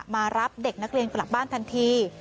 มารับเด็กนักเรียนกลับบ้านทันที